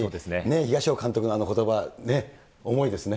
東尾監督のあのことば、重いですね。